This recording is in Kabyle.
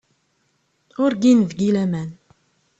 Ur gin deg-i laman.